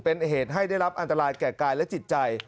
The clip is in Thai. เป็นเหตุให้ได้รับอันตรายแก่กายและจิตใจ